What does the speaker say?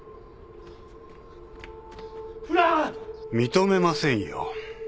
認めませんよ。